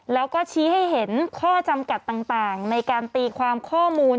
แล้วก็ชี้ให้เห็นข้อจำกัดต่างในการตีความข้อมูล